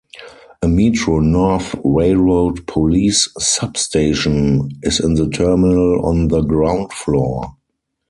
A Metro-North Railroad Police substation is in the terminal on the ground floor.